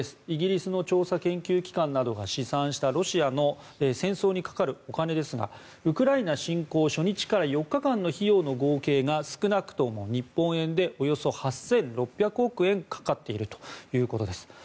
イギリスの調査研究機関などが試算したロシアの戦争にかかるお金ですがウクライナ侵攻初日から４日間の費用の合計が少なくとも日本円でおよそ８６００億円かかっているということです。